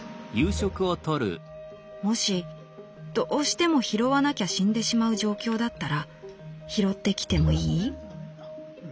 「『もしどうしても拾わなきゃ死んでしまう状況だったら拾って来てもいい？』